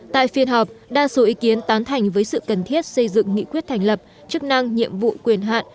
tại phiên họp đa số ý kiến tán thành với sự cần thiết xây dựng nghị quyết thành lập chức năng nhiệm vụ quyền hạn